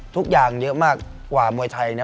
ทุกอย่างเยอะมากกว่ามวยไทยนะ